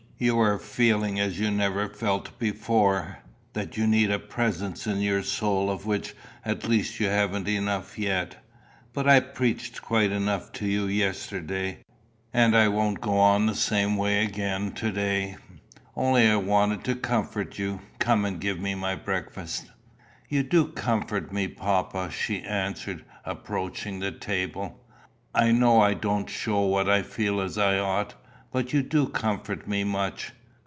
You are feeling as you never felt before, that you need a presence in your soul of which at least you haven't enough yet. But I preached quite enough to you yesterday, and I won't go on the same way to day again. Only I wanted to comfort you. Come and give me my breakfast." "You do comfort me, papa," she answered, approaching the table. "I know I don't show what I feel as I ought, but you do comfort me much.